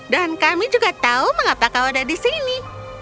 dan kami juga tahu mengapa kau ada di sini